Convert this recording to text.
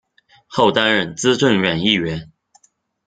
后担任资政院议员。